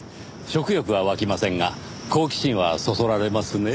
食欲は湧きませんが好奇心はそそられますね。